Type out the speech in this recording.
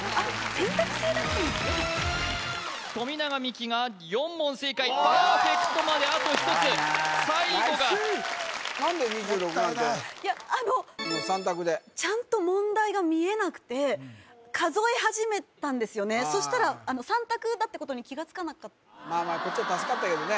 選択制だったんだやだ富永美樹が４問正解パーフェクトまであと１つ最後がもったいない３択でちゃんと問題が見えなくて数え始めたんですよねそしたら３択だってことに気がつかなかっまあまあこっちは助かったけどね